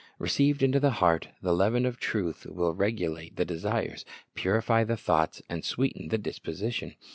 Received into the heart, the leaven of truth will regulate the desires, purify the thoughts, and sweeten the disposition.